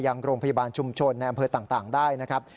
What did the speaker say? ยังโรงพยาบาลชุมชนในอำเภอต่างได้นะครับ